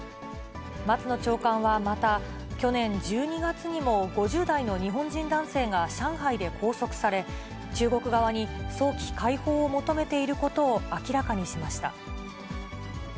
松野長官はまた、去年１２月にも、５０代の日本人男性が上海で拘束され、中国側に早期解放を求めていることを明らかにしました。